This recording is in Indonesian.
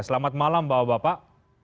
selamat malam bapak bapak